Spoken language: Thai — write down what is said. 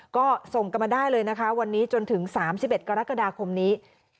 ก็ส่งกันมาได้เลยนะคะวันนี้จนถึง๓๑กรกฎาคมนี้